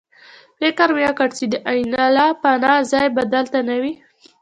فکر مې وکړ چې د انیلا پناه ځای به دلته نه وي